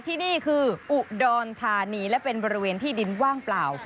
ที่นี่คืออุดรธานีและเป็นบริเวณที่ดินว่างเปล่า